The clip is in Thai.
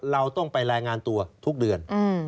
เราต้องไปรายงานตัวทุกเดือน